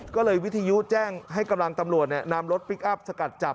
ก็เลยวิทยุแจ้งให้กำลังตำรวจนำรถพลิกอัพสกัดจับ